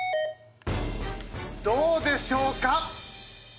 どうでしょうか？